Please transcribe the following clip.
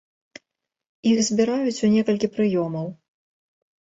Іх збіраюць у некалькі прыёмаў.